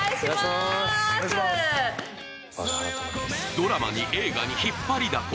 ドラマに映画に引っ張りだこ！